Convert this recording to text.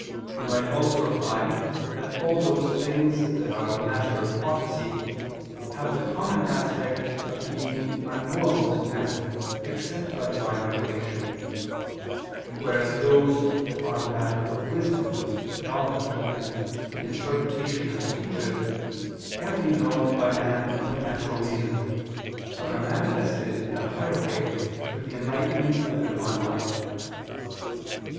We might also reply that all those things that are the matter of prophecy have the common aspect of being unknowable to man except by Divine revelation; whereas those that are the matter of wisdom, knowledge, and the interpretation of speeches, can be known by man through natural reason, but are manifested in a higher way through the enlightening of the Divine light.